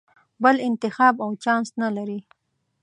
بل انتخاب او چانس نه لرې.